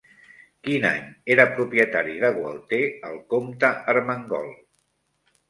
Quin any era propietari de Gualter el comte Ermengol?